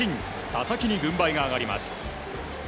佐々木に軍配が上がります。